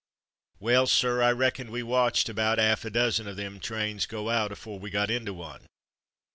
Well, sir, I reckon we watched about 'alf a dozen of them trains go out afore we got into one."